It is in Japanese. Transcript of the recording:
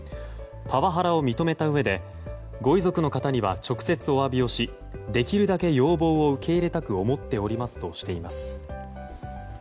パワハラを認めたうえでご遺族の方には直接お詫びをしできるだけ要望を受け入れたく思っておりますとしています。